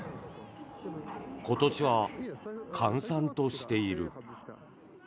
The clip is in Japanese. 今年は閑散としている。